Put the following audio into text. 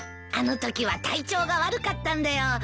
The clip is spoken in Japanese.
あのときは体調が悪かったんだよ。